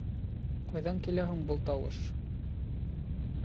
— Ҡайҙан килә һуң был тауыш?